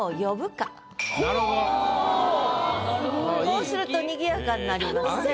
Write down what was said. こうするとにぎやかになりますね。